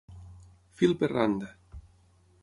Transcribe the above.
Fil per randa.